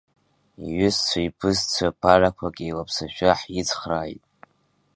Иҩызцәа-иԥызцәа, ԥарақәак еилаԥсашәа, ҳицхрааит.